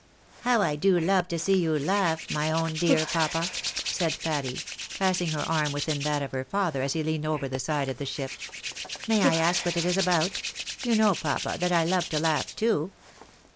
" How I do love to see you laugh, my own dear papa," said Patty, passing her arm within that of her father as he leaned over the side of the ship. " May I ask what it is about ? You know, pap, that I love to laugh too."